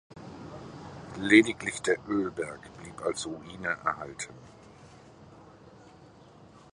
Lediglich der Ölberg blieb als Ruine erhalten.